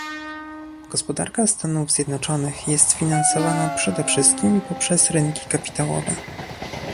Gospodarka Stanów Zjednoczonych jest finansowana przede wszystkim poprzez rynki kapitałowe